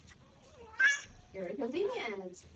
However, due to Hartman's murder, West was given the role.